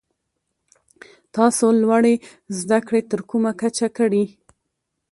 تاسو لوړي زده کړي تر کومه کچه کړي ؟